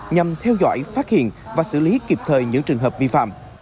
nhằm theo dõi phát hiện và xử lý kịp thời những trường hợp vi phạm